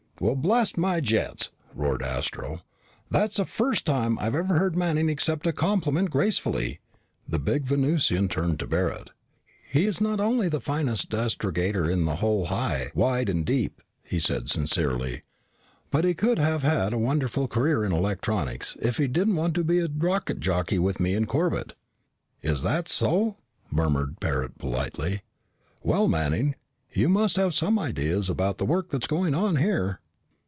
"Well, blast my jets!" roared Astro. "That's the first time I have ever heard Manning accept a compliment gracefully." The big Venusian turned to Barret. "He is not only the finest astrogator in the whole high, wide, and deep," he said sincerely, "but he could have had a wonderful career in electronics if he didn't want to be a rocket jockey with me and Corbett." "Is that so?" murmured Barret politely. "Well, Manning, you must have some ideas about the work that's going on here."